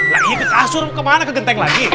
lagi ke kasur kemana ke genteng lagi